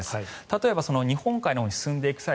例えば、日本海側に進んでいく際